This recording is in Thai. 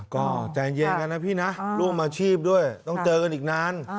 ก็ใจเย็นกันนะพี่นะร่วมอาชีพด้วยต้องเจอกันอีกนาน